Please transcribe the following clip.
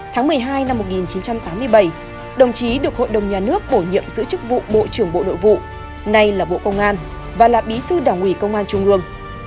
tháng một mươi hai năm một nghìn chín trăm tám mươi bảy đồng chí được hội đồng nhà nước bổ nhiệm giữ chức vụ bộ trưởng bộ nội vụ nay là bộ công an và là bí thư đảng ủy công an trung ương